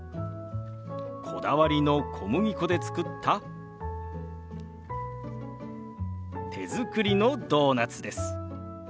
こだわりの小麦粉で作った手作りのドーナツです。